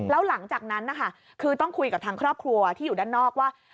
แล้วหลังจากนั้นนะคะคือต้องคุยกับทางครอบครัวที่อยู่ด้านนอกว่า